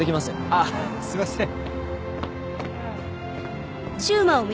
あぁすいません。